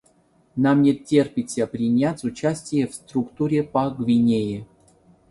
Нам не терпится принять участие и в структуре по Гвинее.